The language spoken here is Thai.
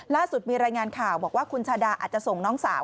ล่าสุดมีรายงานข่าวบอกว่าคุณชาดาอาจจะส่งน้องสาว